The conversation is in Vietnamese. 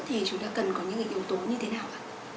thì chúng ta cần có những yếu tố như thế nào ạ